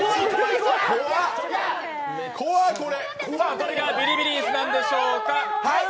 誰がビリビリ椅子なんでしょうか。